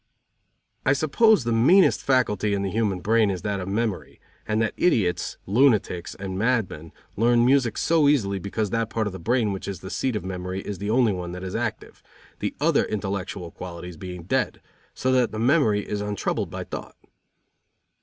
I suppose the meanest faculty in the human brain is that of memory, and that idiots, lunatics and madmen learn music so easily because that part of the brain which is the seat of memory is the only one that is active; the other intellectual qualities being dead, so that the memory is untroubled by thought.